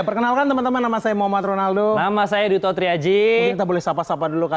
perkenalkan teman teman nama saya muhammad ronaldo nama saya dito triaji kita boleh sapa sapa dulu